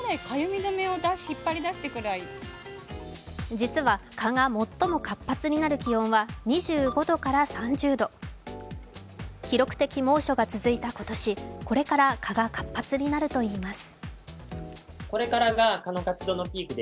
実は蚊が最も活発になる気温は２５度から３０度記録的猛暑が続いた今年これから蚊が活発になるといいます。